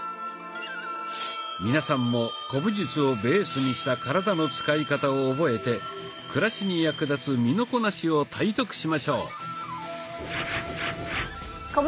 皆さんも古武術をベースにした体の使い方を覚えて暮らしに役立つ身のこなしを体得しましょう。